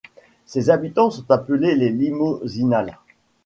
Ses habitants sont appelés les Limosinals.